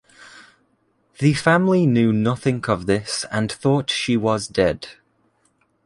The family knew nothing of this and thought she was dead.